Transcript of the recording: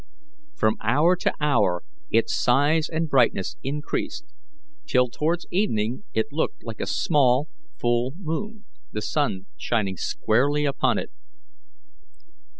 From hour to hour its size and brightness increased, till towards evening it looked like a small, full moon, the sun shining squarely upon it.